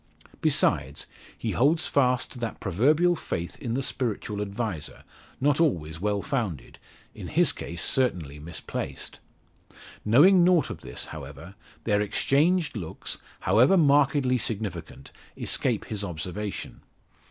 Besides, he holds fast to that proverbial faith in the spiritual adviser, not always well founded in his case certainly misplaced. Knowing nought of this, however, their exchanged looks, however markedly significant, escape his observation.